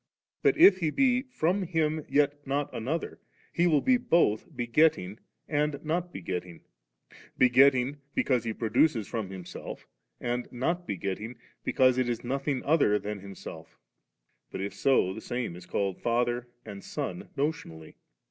But if He be from Him, yet not another. He will be both be getting and not begetting; begetting because He produces from Himself, and not begetting, J}ecause it is nothing other than Himsefil But of so, the same is called Father and Son notionally.